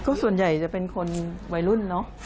ก็ส่วนใหญ่จะเป็นคนวัยรุ่นเนอะ